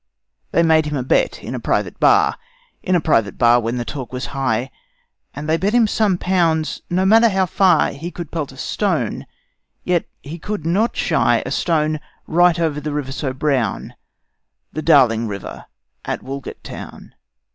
They made him a bet in a private bar, In a private bar when the talk was high, And they bet him some pounds no matter how far He could pelt a stone, yet he could not shy A stone right over the river so brown, The Darling river at Walgett town.